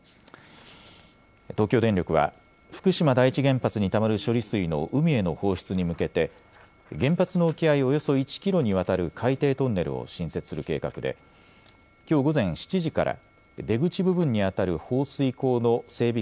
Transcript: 東京電力は福島第一原発にたまる処理水の海への放出に向けて原発の沖合およそ１キロにわたる海底トンネルを新設する計画できょう午前７時から出口部分にあたる放水口の整備